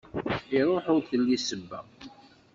Iruḥ ur telli ssebba.